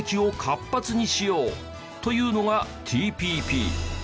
というのがＴＰＰ。